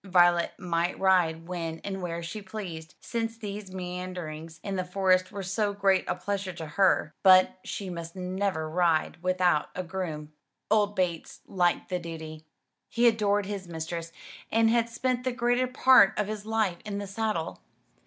Violet might ride when and where she pleased since these meanderings in the Forest were so great a pleasure to her but she must never ride without a groom. Old Bates liked the duty. He adored his mistress, and had spent the greater part of his life in the saddle.